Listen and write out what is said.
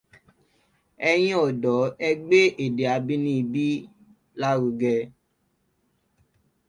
Ẹ̀yin ọ̀dọ́ ẹ gbé èdè abínibí lárugẹ.